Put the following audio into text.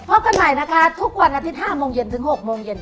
ไม่เคยเด็กกินใหม่นะคะทุกวันอาทิตย์๕โมงเย็นถึง๖โมงเย็น